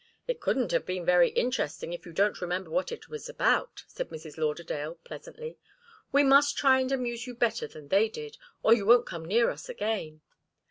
"It couldn't have been very interesting, if you don't remember what it was about," said Mrs. Lauderdale, pleasantly. "We must try and amuse you better than they did, or you won't come near us again."